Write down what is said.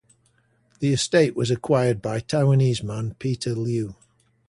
The estate was acquired by Taiwanese man Peter Liu.